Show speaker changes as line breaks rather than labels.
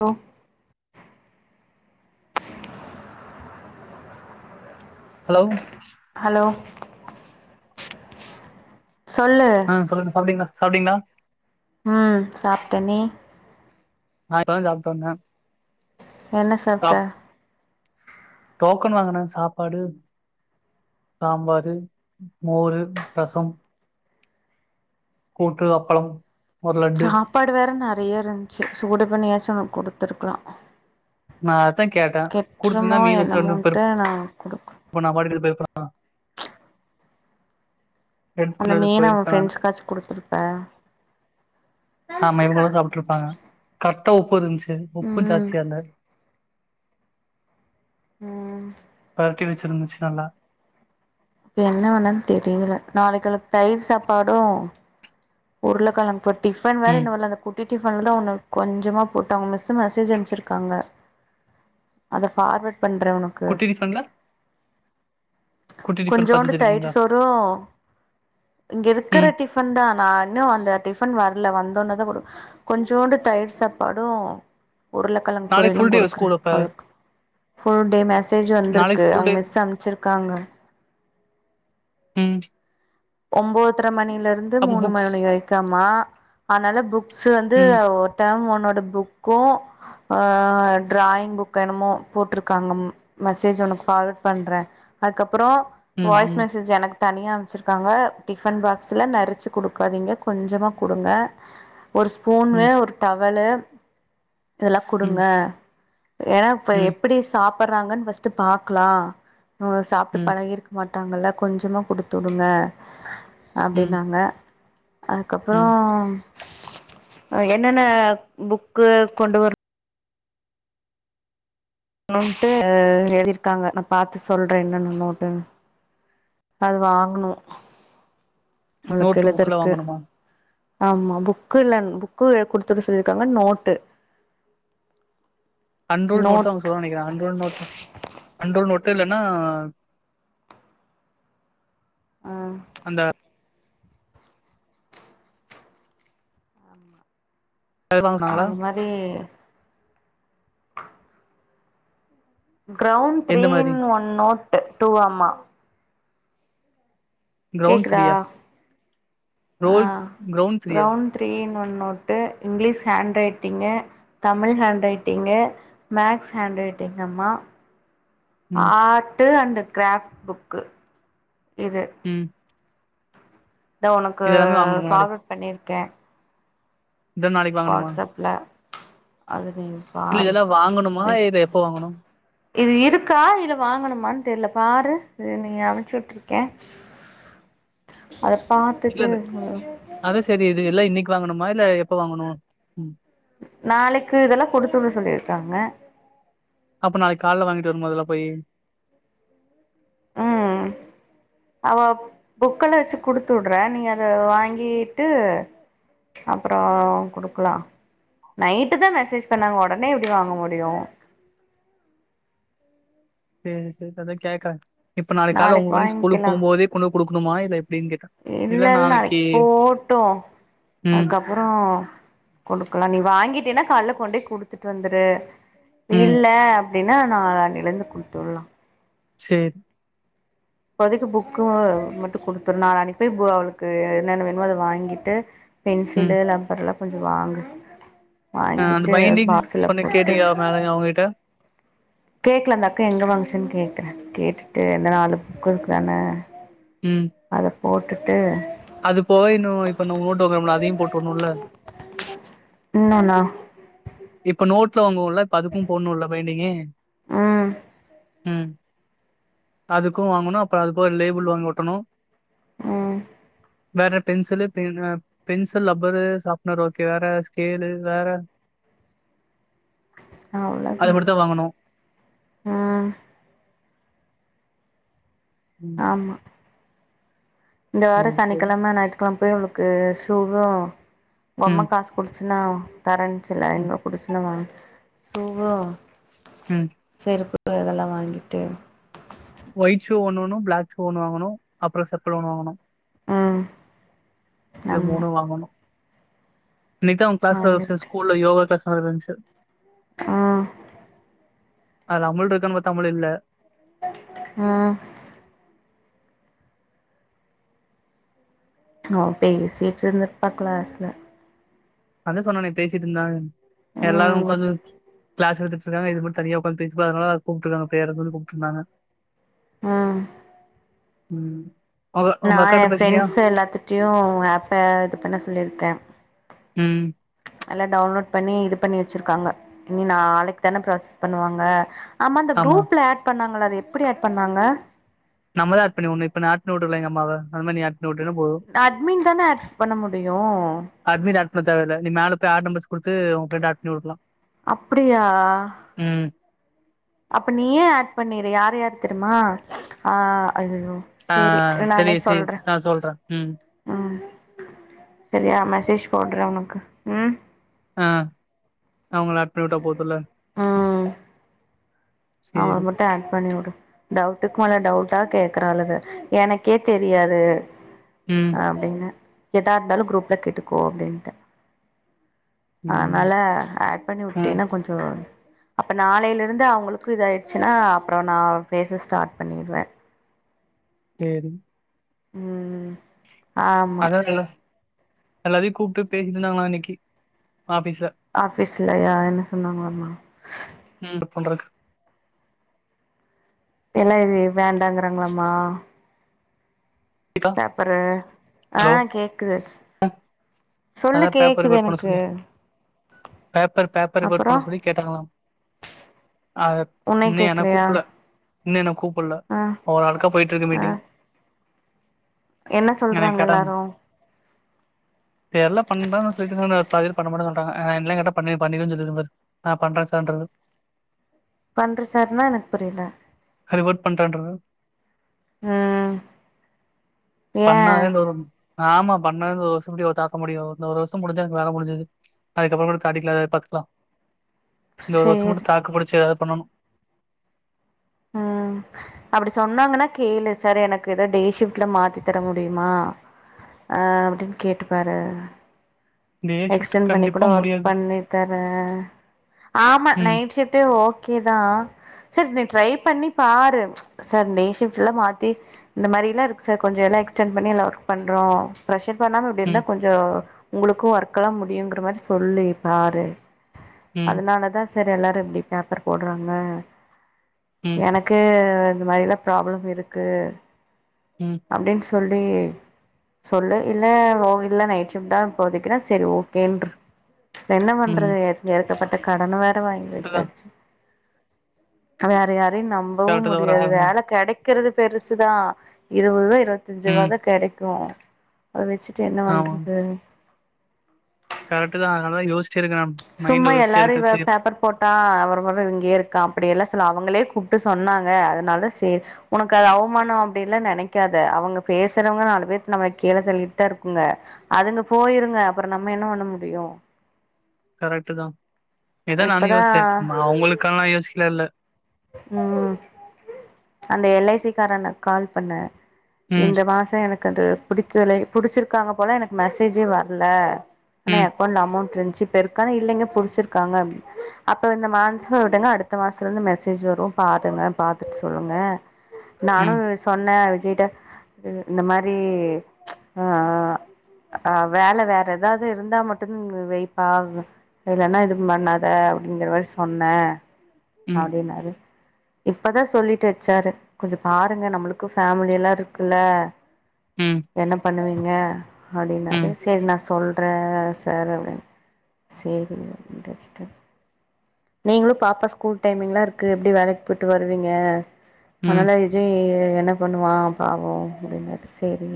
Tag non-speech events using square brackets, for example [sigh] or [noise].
Low
hello.
Hello. சொல்லு
ன்ன சொல்லுங்க சாப்டிங்லா சாப்டிங்லா?
ம் சாப்ட்டனே
நா இப்பதா சாப்ட்டு வந்தே.
என்ன சாப்ட்ட?
சாப் டோக்கன் வாங்குன சாப்பாடு சாம்பாரு மோரு ரசம். கூட்டு அப்பளம். ஒரு லட்டு
சாப்பாடு வேற நெறையா இருந்ச்சு சூடு பண்ணியாச்சு ஒனக் குடுத்துருக்கலா.
நா அதா கேட்டே குடுத்துருந்தா
கெட்ருமோ என்னமோன்ட்டு நா குடுக்
இப்ப நா [unintelligible]
அந்த மீன அவ
போயிருப்பே நானு
ஃப்ரெண்ட்ஸ்க்காச்சு குடுத்துருப்ப.
ஆமா இவ்ங்களு சாப்ட்ருப்பாங்க கர்ட்டா உப்பு இருந்ச்சு உப்பு
ம்
ஜாஸ்தியா இல்ல
ம்
பெரட்டி வச்சிருந்துச்சு நல்லா‌
த்து என்ன பண்ணன் தெரியல நாளைக் அவ்ளுக் தயிர் சாப்பாடு உருளக்கெழங் பொ டிஃபன் வேற
ம்
இன்னு‌ வர்ல‌ அந்த குட்டி டிஃபன்லதா ஒன்னு கொஞ்சமா போட்டு அவ்ங்க மிஸ்ஸு மெசேஜ் அனுப்ச்சிருக்காங்க. அத ஃபார்வேர்ட் பண்ற ஒன
குட்டி டிஃபன்ல குட்டி டிஃபன் பாத்து
கொஞ்சோண்டு தயிர்
வச்சிருக்கீங்களா
சோரு இங்க இருக்கற
ம்
டிஃப் ஃபன்தா நா இன்னு அந்த டிஃபன் வர்ல வந்தோனதா கொடு கொஞ்சோண்டு தயிர் சாப்பாடு உருள கெழங்
நாளைக்கு ஃபுல்
பொரியலும்
டே
குடுக்கறே
ஸ்கூல் அப்ப
அவளுக் ஃபுல் டே மெசேஜ்
நாளைக்கு
வந்துருக்கு
ஃபுல்
அவங்
டே
மிஸ் அனுப்ச்சிருக்காங்க.
ம்.
ஒம்போத்தர மணில இருந்து
அப்ப
மூணு
புக்ஸ்
மணி வரைக்கமா அதனால புக்ஸ் வந்து
ம்
டேர்ம் ஒன்னோட புக்கு ஆ டிராயிங் புக் என்னமோ போட்டிருக்காங்க மெசேஜ் உனக்கு பார்வர்ட் பண்றே அதுக்கப்புறோ
ம்
வாய்ஸ்
ம்
மெசேஜ் எனக்கு தனியா அனுப்ச்சிருக் காங்க டிஃபன் பாக்ஸ்ல நெறச்சு குடுக்காதீங்க கொஞ்சமா குடுங்க ஒரு ஸ்பூனு
ம்
ஒரு டவல்லு இதெல்லா
ம்
குடுங்க ஏனா இப்ப
ம்,
எப்டி சாப்புடுறாங்கன்னு ஃபஸ்ட் பாக்கலா அ சாப்ட்டு
ம்,
பழகிருக் மாட்டாங்கல கொஞ்சமா குடுத்துடுங்க
ம்,
அப்டின்னாங்க
ம்.
அதுக்கப்புறம் அ என்னென்ன புக்கு கொண்டு வரு னுன்ட்டு எழுதிருக்காங்க நா பாத்து சொல்றே என்னன்ன நோட்டுன் அது வாங்கணு அவளுக்
நோட்டு புக்ல
எழுதறக்கு
வாங்கணுமா?
ஆமா புக்குல்ல புக்கு குடுத்து உட சொல்லியிருக்காங்க நோட்டு
அன்ரூல் நோட்டு
நோட்
அவங்க சொல்லுவாங் நெனைக்கிறே அன்ரூல்டு நோட்டு அன்ரூல்டு நோட்டு இல்லன்னா
ஆ
அந்த வாங்குனாங்களா?
அது மாரி க்ரௌண்ட் த்ரீ
எந்த மாரி?
இன் ஒன் நோட் டூ ஆமா
க்ரௌண்ட் த்ரீயா
அ
ground
ground three in one note English hand writing Tamil hand writing maths hand ரைட்டிங்கம்மா
ம்,
ஆர்ட் அன்ட் கிராஃப்ட் புக்கு இது
ம்
தா உனக்கு
இது எல்லாமே வாங்கணுமா நாளைக்கு?
ஃபார்வர்ட் பண்ணியிருக்கே
இதெல்லாம் நாளைக்கு வாங்கணுமா?
வாட்ஸ்அப்ல அது நீ
இல்ல
பாரு
இதெல்லா வாங்கணுமா இத எப்ப வாங்கணும்
இது இருக்கா இல்ல வாங்கணுமா தெரியல பாரு இது நீங்க அமுச்சு உட்டுருக்கே அத பாத்துட்டு சொல்லு
அத செரி இது எல்லா இன்னைக்கு வாங்கணுமா இல்ல எப்ப வாங்குணு
நாளைக்கு இதெல்லா குடுத்துட சொல்லிருக்காங்க
அப்ப நாளைக்கு கால்ல வாங்கிட்டு வர்ணுமா இதெல்லா போயி
ம் அவ புக்கெல்ல வெச்சு குடுத்துட்றே நீ அத வாங்கீட்டு அப்றோ குடுக்கலா நைட்டு தா மெசேஜ் பண்ணாங்க ஒடனே எப்டி வாங்க முடியு
சேரி சேரி அதா கேக்கறே இப்ப நாளைக்கு கால ஓம்போது மணி ஸ்கூலுக்கு போம் போது கொண்டு போய் குடுக்கணுமா இல்ல எப்டின் கேட்டே இல்ல நாளைக்கி
ட்டோ
ம்
அப்றோ குடுக்கலா நீ வாங்கிட்டினா கால்ல கொண்டேய் குடுத்துட்டு வந்துரு
ம்.
இல்ல அப்டின்னா நாளனைலிருந்து குடுத்துடலா
சேரி
இப்போதைக்கு புக்கு மட்டு குடுத்துரு நாளன்னைக் போய் அவுளுக்கு என்னென்ன வேணமோ அத வாங்கிட்டு
ம்.
பென்சிலு லப்பர்ல்லா கொஞ்ச வாங்கு
அ அந்த
வாங்கிட்டு
பைண்டிங்
பாக்ஸ்ல
சொன்ன
போட்டு
கேட்டயா மேடங்க அவுங்ககிட்ட
கேக்கல அந்த அக்கா எங்க வாங்குச்சு கேக்குறே கேட்டுட்டு எந்த நாலு புக்கு இருக்குதானு
ம்
அத போட்டுட்டு
அது போக இன்னு இப்ப நம்ம நோட்டு வாங்கறோம்ல அதையு போட்டுணுல்ல
ர [inaudible] இன்னொன்னா
இப்ப நோட்ல வாங்வுல இப்ப அதுக்கும் போட்ணுல்ல பயிண்டிங்கு
ம்
ம் அதுக்கு வாங்கணு அப்றோ அது போக லேபிள் வாங்கி ஓட்டணு
ம்
வேற பென்சிலு பேனா பென்சில் லப்பரு ஷார்ப்னர் ஓகே வேற ஸ்கேலு வேற அது
அவ்ளோதா
மட்டு தா வாங்கணு
ம்
ம்
ஆமா இந்த வாரோ
சரி, சரி.
சனிக்கெழம ஞாயி்த்துகெழம போய் அவ்ளுக்கு ஷூவு பொம்ம
ம்,
கா புடிச்சினா தரன்ச்சில்ல
ம்,
இன்மா புடிச்சின்னா வாங் ஷூவு
ம்
செருப்பு இதெல்லா வாங்கிட்டு
ஒயிட் ஷூ ஒன்னு ஒணு பிளாக் ஷு ஒன்னு வாங்கணு அப்புறோ செபள் ஒன்னு வாங்கணு
ஆ
இது மூணு வாங்கணு இன்னைகுதா உன் கிளாஸ்
வாங்கிட்டு
ஸ்கூல்ல யோகா கிளாஸ் இருந்துச்சு
ஆ
அல அ மிழ் இருக்கனு பாத்தா தமிழ் இல்ல
ஆ அவ பேசிட்டுருந்துப்பா கிளாஸ்ல
அத சொன்னேனே பேசிட்டு இருந்தா எல்லாரு
ம்
உக்காந்து கிளாஸ் எடுத்துட்டு இருக்காங்க இது மட்டு தனியா உக்கந்து பேஸ்ருப்பா அதனால கூப்ட்ருகாங்க பேர கூப்பட்டு இருகாங்க
ம்
உம்
நா எ ஃப்ரெண்ட்ஸ் எல்லாத்துட்டயு ஆப்பே இது பண்ண சொல்லியிருக்க
ம்
எல்லா டவுன்லோட் பண்ணி இது பண்ணி வச்சிருக்காங்க இனி நாளைக்கு தான ப்ராசஸ் பண்ணுவாங்க ஆமா இந்த குரூப்புல ஆட் பண்ணாங்கள அத எப்டி ஆட் பண்ணாங்க
நம்ம தா ஆட் பண்ணி வுட்னு இப்ப நா ஆட் பண்ணி வுட்டேன்ல எங்க அம்மாவ அது மாரி நீ ஆட் பண்ணி உட்டேனா போது
அட்மின் தான ஆட் பண்ண முடியு
அட்மின் ஆட் பண்ண தேவ இல்ல நீ மேல போய் ஆட்நம்பர்ஸ்ஸ கொடுத்து உங்க ஃப்ரண்ட ஆட்பண்ணி உடலா
அப்டியா
ம்
அப்ப நீயே ஆட் பண்ணிரு யார் யாரு தெரியுமா ஆ அயயோ
ஆ தெரியு சிஸ் நாசொல்றே ம்
ம் சரியா மெசேஜ் போடுறே உனக்கு ம்
ஆ நா உங்கள ஆட் பண்ணி விட்டா போதுல்ல
ம் அவங்கள
சேரி
மட்டு ஆட் பண்ணி வுடு டவுட்டுக்கு மேல டவுட்டா கேக்குறாளுக எனக்கே தெரியாது
ம்
அப்டினு எதா இருந்தாலு குரூப்புல கேட்டுக்கோ அப்டின்ட்டே
ம்
அனால ஆட் பண்ணி
ம்
விட்டீன்னா கொஞ்சோ அப்ப நாளையில இருந்து அவங்களு க்கு இத ஆயிடுச்சுனா அப்பறோ நா பேச ஸ்டார்ட் பண்ணிருவே
சேரி
ம் ஆமா
அதாது எல்லாரையு கூப்ட்டு பேசிட்டு இருந்தாங்களா இன்னைக்கி ஆபீஸ்ல
ஆபிஸ்லயா என்ன சொன்னாங்களாமா
ம் ஒர்க் பன்றக்கு
இல்ல இது இது வேண்டாங்கிறாங்களமா பேப்பரு ஆ
ஹலோ
கேக்குது சொல்லு
அதா பேப்பர்
கேக்குது
ரிவட் பண்ண
எனக்கு
சொல்லி பேப்பர் பேப்பர் ரிவட்
அப்புறோ
பண்ண சொல்லி கேட்டாங்களா அ
உன்னை
இன்னு என்ன
கேக்கலையா
கூப்ல இன்னு என்ன கூப்புட்ல
ஆ
ஒரு ஆளுக்க போயிட்டு இருக்கு
ஆ
மீட்டிங்
என்ன
என்னைய
சொல்றாங்க
கேட்டாங்க
எல்லாரு
தெர்ல பண்றன் சொல்லிட்டு பாதி பேரு பன்ன மாட்டேனு இருந்தாங்க என்ன எல்லா கேட்டா பண்ணி பண்ணிருவே சொல்லிருவ பாரு ஆ பண்றே சார் ன்று
பண்றே சார்னா எனக்கு புரில
ரிவர்ட் பண்றன்ற
ம் ஏ
பண்ணாதே இந்த [inaudible] ஆமா பண்ணாத ஒரு [unintelligible] தாக்க முடியு இந்த ஒரு வருஷோ முடிஞ்சா எனக்கு வேல முடிஞ்சது அதுக்கப்பற கூட காட்டிக்கலா அது பாத்துக்கலா இந்த ஒரு வருஷம் மட்டு
சேரி
தாக்குப்புடிச்சு எதாது பண்ணனு
ம் அப்படி சொன்னாங்கன்னா கேளு சார் எனக்கு எதா டே ஷிப்ட்ல மாத்தி தர முடியுமா அ அப்டின்னு கேட்டுப்பாரு
டே ஷிப்ட்
எக்ஸ்டெண்ட் பண்ணிக்
கண்டிப்பா
கூட ஒர்க்
முடியாது
பண்ணி தரே ஆமா
ம்
நைட் ஷிப்டே ஓ க்கே தா சர் நீ ட்ரை பண்ணி பாரு சார் டே ஷிப்ட்ல மாத்தி இந்த மாரிலா இருக்கு சார் கொஞ்சோ எல்லா எக்ஸ்டென்ட் பண்ணி எல்லா ஒர்க் பண்றோ பிரஷர் பண்ணாம இப்டி இருந்தா
ம்
கொஞ்சோ உங்களுக்கு ஒர்க்கல்லா முடியுங்கற மாரி சொல்லி பாரு
ம்
அதனாலதா சார் எல்லாரு இப்டி பேப்பர் போடறாங்க
ம்
எனக் கு இந்த மாரிலா ப்ராப்ளம் இருக்கு
ம்
அப்டின் சொல்லி சொல்லு இல்ல ஓ இல்ல நைட் ஷிப்ட் தா இப்போதைக்குனா செரி ஓகேன்று என்ன
ம்
பண்றது எட் எட் கப்பட்ட கடன வேற வாங்கி வெச்சாச்சு வேற யாரையு நம் நம்பவு
கரெக்ட் தா ஒரு
முடியாது
ஆறு மாசோ
வேல கெடைக்கறது பெருசுதா இருவது ருவா இருவத்தஞ்சு ருவா
ம்
தா கெடைக்கு அத வெச்சிட்டு என்ன பண்றது
கரட்டு தா அதனால தா யோசிச்சி இருக்கனம்
சும்மா எல்லாரு இவ பேப்பர் போட் அ அப்பறோ பாத்தா இவ இங்கயே இருக்கா அப்படி எல்லா சொல்ல அவங்களே கூப்டு சொன்னாங்க அதுனால சேர் உனக்கு அது அவமானோ அப்டின்லா நெனைக்காத அவங்க பேசுறவங்க நாலு பேர்த் நம்மள கீழ தள்ளீட்தா இருக்குங்க அதுங்க போயிருங்க அப்பறோ நம்ம என்ன பண்ண முடியு
கரெட்டு தா இதா நானு
இப்பதா
யோஸ்ச்ச ம அவுங்களுக்கெல்லா யோசிக்கல இல்ல
ம் அந்த எல் ஐ சி கார அண்ணாக் கால் பண்ண
ம்,
இந்த மாசோ எனக்கு அது புடிக்கலே புடிச்சிருக்காங்க போல எனக்கு மெசேஜ்ஜே வர்ல அண்ணே எ
ம்,
அக்கௌன்ட்ல அமௌண்ட் இருந்ச்சு இப்ப இருக்கா இல்லங்க புடிச்சிருக்காங்க அப் அப்ப இந்த மான்ச விடுங்க அடுத்த மாசத்துல இருந்து மெஸ் மெசேஜ் வரு பாத்துங்க பாத்துட்டு சொல்லுங்க நானு
ம்,
சொன்ன விஜய்ட்ட அ இந்த மாரி ஆ ஆ வேல வேற எதாது இருந்தா மட்டுந் வைப்பா இதுலன்னா எதூ பண்ணாத அப்டிங்கற மாரி சொன்ன
ம்,
அப்டின்னாரு இப்பதா சொல்லீட்டு வெச்சாரு கொஞ்சோ பாருங்க நம்பளுக்கு ஃபேமிலி எல்லா இருக்குல்ல
ம்
என்ன பண்ணுவீங்க அப்டின்னாரு செரி நா சொல்றே சார் அப்டின்னு சேரி அப்டின்ட்டு வெச்சுட்டாரு நீங்களு பாப்பா ஸ்கூல் டைமிங்லா இருக்கு எப்டி வேலைக்கு போயிட்டு வருவீங்க
ம்.
அதனால ஜெய் என்ன பண்ணுவா பாவோ அப்டின்னாரு சேரி